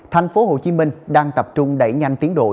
tp hcm đang tập trung đẩy nhanh tiến đổi